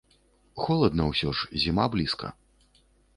Холадна ўсё ж, зіма блізка.